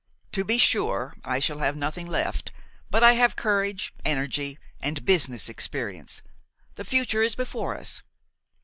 To be sure, I shall have nothing left, but I have courage, energy and business experience; the future is before us.